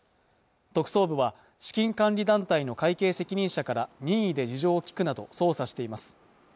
特捜部は資金管理団体の会計責任者から任意で事情を聴くなど捜査しています